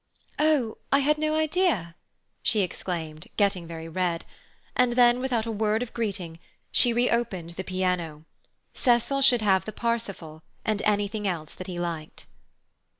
"Oh, I had no idea!" she exclaimed, getting very red; and then, without a word of greeting, she reopened the piano. Cecil should have the Parsifal, and anything else that he liked.